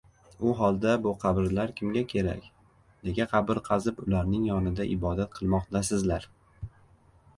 — U holda bu qabrlar kimga kerak? Nega qabr qazib, ularning yonida ibodat qilmoqdasizlar?